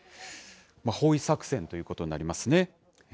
包囲作戦ということになりますね。